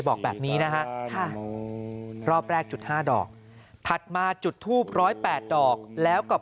บอกแบบนี้นะฮะรอบแรกจุด๕ดอกถัดมาจุดทูบ๑๐๘ดอกแล้วกับ